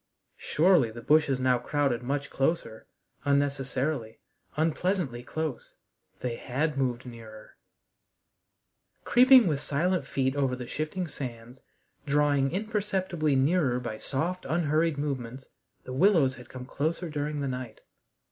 Surely the bushes now crowded much closer unnecessarily, unpleasantly close. They had moved nearer. Creeping with silent feet over the shifting sands, drawing imperceptibly nearer by soft, unhurried movements, the willows had come closer during the night.